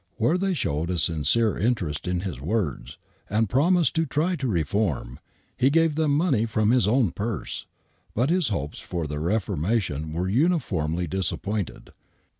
Where they showed a sincere interest in his words, an(d promised to try to reform, he gave them money from his own purse. But his hopes for their reformation were uniformly disappointed.